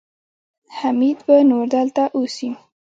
حميد به نور دلته اوسي.